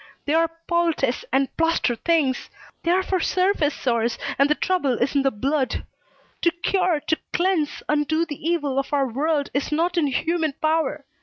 "They are poultice and plaster things. They are for surface sores, and the trouble is in the blood. To cure, to cleanse, undo the evil of our world is not in human power.